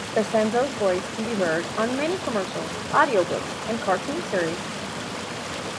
DiCenzo's voice can be heard on many commercials, audiobooks, and cartoon series.